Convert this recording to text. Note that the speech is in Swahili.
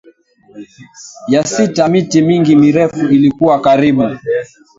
ya sita Miti mingi mirefu ilikuwa karibu